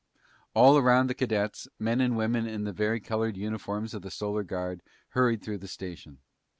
All around the cadets, men and women in the vari colored uniforms of the Solar Guard hurried through the station.